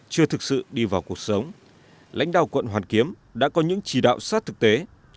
chưa thực sự đi vào cuộc sống lãnh đạo quận hoàn kiếm đã có những chỉ đạo sát thực tế